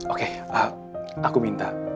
oke aku minta